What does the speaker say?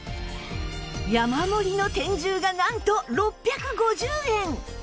山盛りの天重がなんと６５０円！